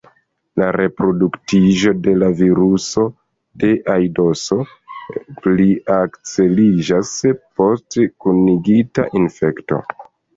La reproduktiĝo de la viruso de aidoso pli akceliĝas post kunigita infekto.